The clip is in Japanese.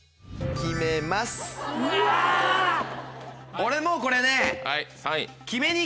俺もうこれね。